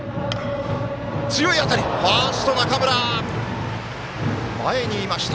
強い当たり、ファースト中村前にいました。